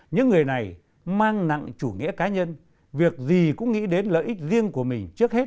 những người này mang nặng chủ nghĩa cá nhân việc gì cũng nghĩ đến lợi ích riêng của mình trước hết